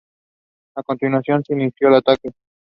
They had one daughter Izumi Kobayashi.